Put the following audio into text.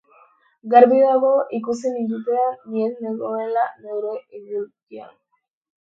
Garbi dago ikusi nindutenean ni ez nengoela neure idulkian.